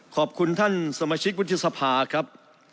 ขอบคุณท่านสมาชิกวุฒิสภาครับ